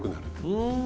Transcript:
うん。